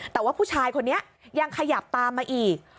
แต่ว่าผู้ชายคนนี้ยังขยับตามมาอีก